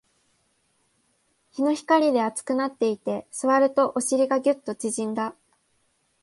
日の光で熱くなっていて、座るとお尻がギュッと縮んだ